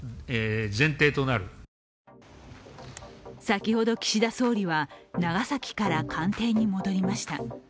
先ほど岸田総理は、長崎から官邸に戻りました。